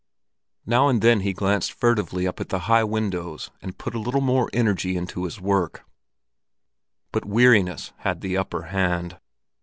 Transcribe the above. Now and then he glanced furtively up at the high windows and put a little more energy into his work; but weariness had the upper hand.